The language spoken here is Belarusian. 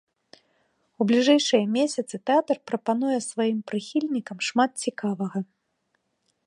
У бліжэйшыя месяцы тэатр прапануе сваім прыхільнікам шмат цікавага.